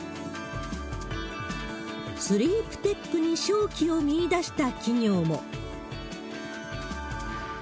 スリープテックに勝機を見いだした企業も。